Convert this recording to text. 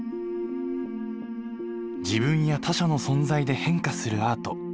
自分や他者の存在で変化するアート。